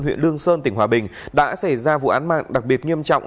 huyện lương sơn tỉnh hòa bình đã xảy ra vụ án mạng đặc biệt nghiêm trọng